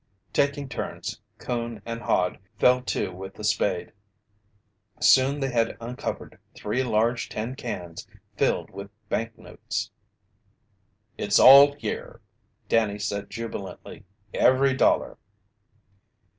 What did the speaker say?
Taking turns, Coon and Hod fell to with the spade. Soon they had uncovered three large tin cans filled with bank notes. "It's all here!" Danny said jubilantly. "Every dollar!"